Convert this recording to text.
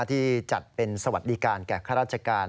ที่จัดเป็นสวัสดิการแก่ข้าราชการ